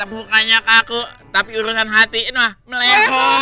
bukannya kaku tapi urusan hati ino melekoy